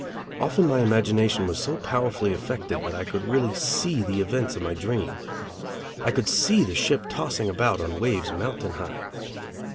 Often my imagination was so powerfully affected that I could really see the events of my dream. I could see the ship tossing about on waves mountain high.